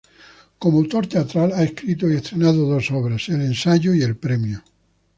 Como autor teatral ha escrito y estrenado dos obras: El Ensayo y El premio.